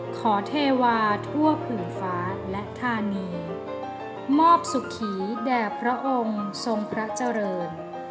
เทวาทั่วผื่นฟ้าและธานีมอบสุขีแด่พระองค์ทรงพระเจริญ